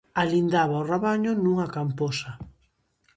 Alindaba o rabaño nunha camposa.